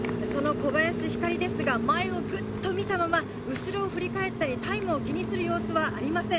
その小林日香莉ですが前をグッと見たまま後ろを振り返ったり、タイムを気にする様子はありません。